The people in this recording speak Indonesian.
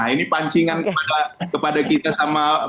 ini pancingan kepada kita sama bung habib